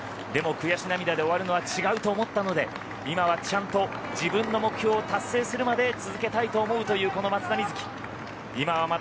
でも、悔し涙で終わるのは違うと思ったので今はちゃんと自分の目標を達成するまで続けたいと思うというこの松田瑞生。